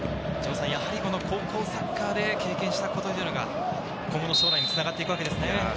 高校サッカーで経験したことが、今後の将来につながっていくわけですね。